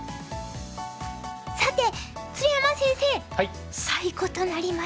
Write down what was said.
さて鶴山先生最後となりました。